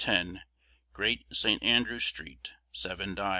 10, Great St. Andrew Street, Seven Dials.